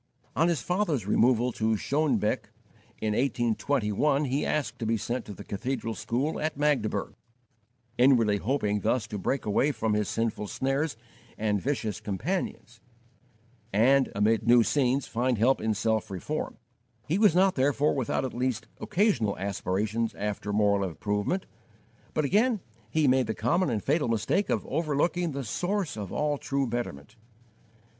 On his father's removal to Schoenebeck in 1821 he asked to be sent to the cathedral school at Magdeburg, inwardly hoping thus to break away from his sinful snares and vicious companions, and, amid new scenes, find help in self reform. He was not, therefore, without at least occasional aspirations after moral improvement; but again he made the common and fatal mistake of overlooking the Source of all true betterment.